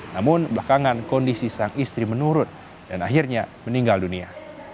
namun belakangan kondisi sang istri menurun dan akhirnya meninggal dunia